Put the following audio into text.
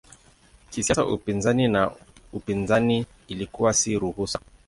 Kisiasa upinzani na upinzani ilikuwa si ruhusa.